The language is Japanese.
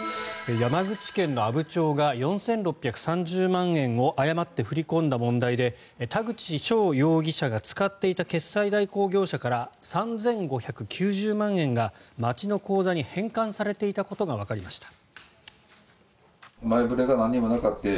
山口県の阿武町が４６３０万円を誤って振り込んだ問題で田口翔容疑者が使っていた決済代行業者から３５９０万円が町の口座に返還されていたことがわかりました。